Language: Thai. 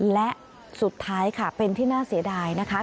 และสุดท้ายค่ะเป็นที่น่าเสียดายนะคะ